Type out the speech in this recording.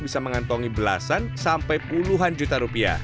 bisa mengantongi belasan sampai puluhan juta rupiah